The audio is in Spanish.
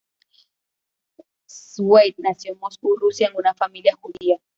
Zweig nació en Moscú, Rusia en una familia judía.